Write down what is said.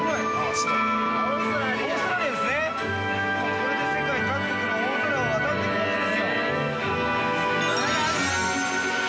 ◆これで世界各国の大空を渡っていくんですよ。